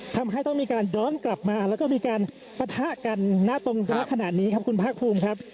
ทำให้ต้องมีการย้อนกลับมาแล้วก็มีการปะทะกันณขณะนี้ครับคุณภาคภูมิครับ